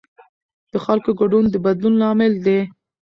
د خلکو ګډون د بدلون لامل دی